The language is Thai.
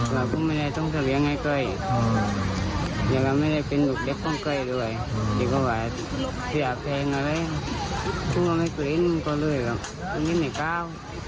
หั้งนอกหลังกับมันก็เป็นฟึระเป็นบำติ่งว่าเง็นเจ้า